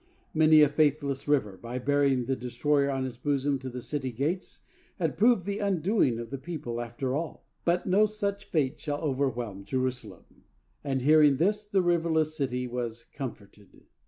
Many a faithless river, by bearing the destroyer on its bosom to the city gates, had proved the undoing of the people after all. But no such fate shall overwhelm Jerusalem. And, hearing this, the riverless city was comforted.